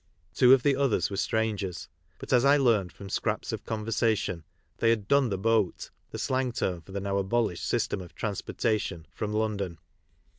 Two of the others were strangers, but, as I learned from scraps of conversation, they had "done the boat" (the slang term for the now abolished system of transportation) from London.